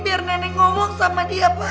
biar nenek ngomong sama dia pak